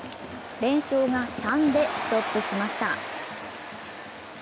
連勝が３でストップしました。